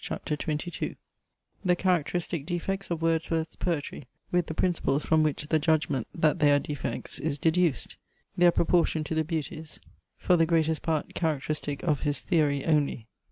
CHAPTER XXII The characteristic defects of Wordsworth's poetry, with the principles from which the judgment, that they are defects, is deduced Their proportion to the beauties For the greatest part characteristic of his theory only.